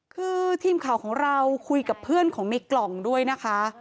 คือทีมข่าวของเราคุยกับเพื่อนของในกล่องด้วยนะคะ